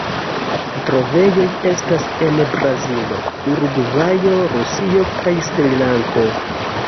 Trovejoj estas en Brazilo, Urugvajo, Rusio kaj Srilanko.